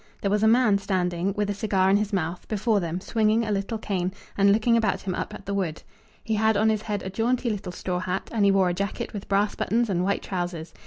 There was a man standing, with a cigar in his mouth, before them, swinging a little cane, and looking about him up at the wood. He had on his head a jaunty little straw hat, and he wore a jacket with brass buttons, and white trousers.